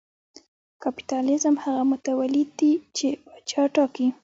کاپیتالېزم هغه متولي دی چې پاچا ټاکي.